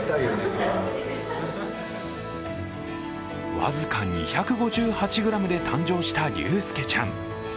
僅か２５８ｇで誕生した竜佑ちゃん。